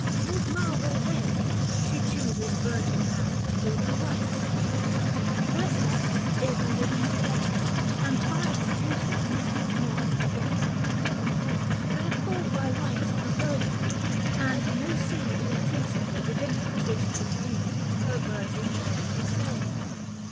What marvel, then, she chooses virgin hands To do her rites ? Vesta is living flame, 345 And fire produces not a mortal frame ; li 186 THE FASTI. Book VI. Therefore by right a virgin, and no seed Or principle within her which could breed — Her virgin train the same.